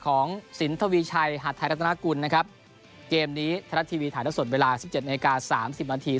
ของสินทวีชัยหัดไทยรัฐนาคุณนะครับเกมนี้ทลัททีวีถ่ายทะสดเวลา๑๗นาที๓๐นาที